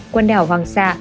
quần đảo hoàng sa